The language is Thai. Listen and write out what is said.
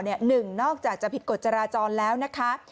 หนึ่งนอกจากจะผิดกฎจราจรแล้วนะคะ